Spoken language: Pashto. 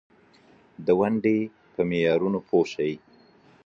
په ښارونو کې سړکونه د موټرو څراغونو ته ځلیده.